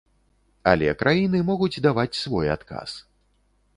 Але краіны могуць даваць свой адказ.